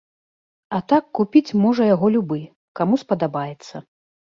А так купіць можа яго любы, каму спадабаецца.